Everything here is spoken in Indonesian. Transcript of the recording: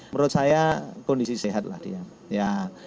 menurut saya kondisi sehat lah dia